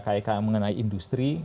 kek mengenai industri